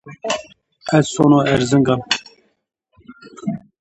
Ez sono Erzıngan.